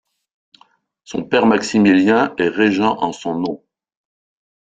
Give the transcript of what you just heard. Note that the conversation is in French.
Son père Maximilien est régent en son nom.